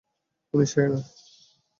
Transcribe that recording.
উনি সে নয়।